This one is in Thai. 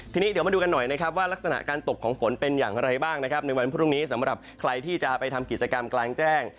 ทีนี้เดี๋ยวมาดูกันหน่อยนะครับว่ารักษณะการตกของฝนเป็นอย่างไรบ้างนะครับในวันพรุ่งนี้สำหรับใครที่จะไปทำกิจกรรมกลางแจ้ง